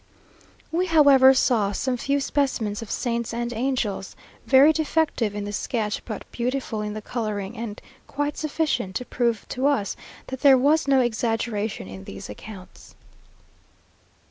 We, however, saw some few specimens of saints and angels, very defective in the sketch, but beautiful in the colouring, and quite sufficient to prove to us that there was no exaggeration in these accounts.